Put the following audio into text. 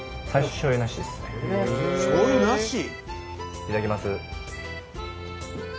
いただきます。